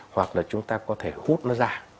hoặc là chúng ta có thể hút nó ra